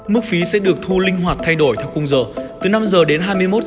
mức phí sẽ được thu linh hoạt thay đổi theo khung giờ từ năm h đến hai mươi một h